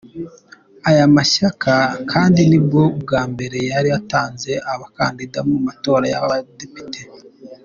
Aya mashyaka kandi ni bwo bwa mbere yari atanze abakandida mu matora y’abadepite.